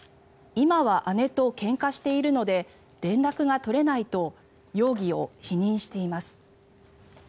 今は姉とけんかしているので連絡が取れないと容疑を否認しています。